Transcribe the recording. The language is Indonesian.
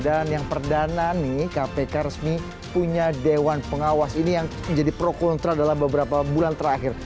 dan yang perdana nih kpk resmi punya dewan pengawas ini yang menjadi pro kontra dalam beberapa bulan terakhir